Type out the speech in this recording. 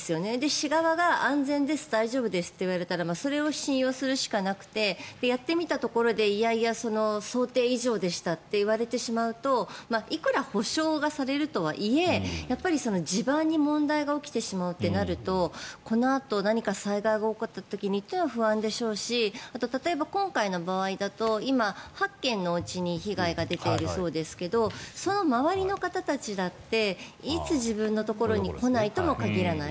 市側が安全です、大丈夫ですって言われたらそれを信用するしかなくてやってみたところで想定以上でしたって言われてしまうといくら補償がされるとはいえ地盤に問題が起きてしまうとなるとこのあと何か災害が起こった時に不安でしょうしあとは例えば今回の場合だと今、８軒のおうちに被害が出ているそうですけどその周りの方たちだっていつ自分のところに来ないとも限らない。